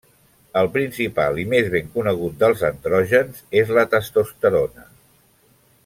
El principal i més ben conegut dels andrògens és la testosterona.